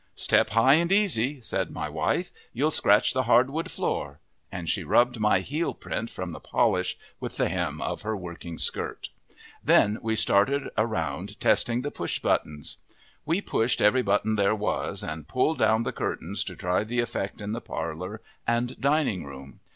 "Step high and easy," said my wife. "You'll scratch the hardwood floor," and she rubbed my heelprint from the polish with the hem of her working skirt. Then we started around testing the push buttons. We pushed every button there was, and pulled down the curtains to try the effect in the parlor and dining room.